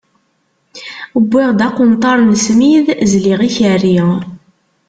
Wwiɣ-d aqenṭar n smid, zliɣ ikerri.